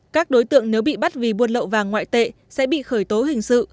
các đối tượng nếu bị bắt vì buôn lậu vàng ngoại tệ sẽ bị khởi tố hình sự